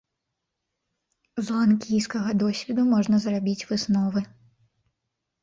З ланкійскага досведу можна зрабіць высновы.